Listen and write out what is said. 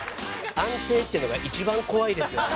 安定っていうのが一番怖いですよね。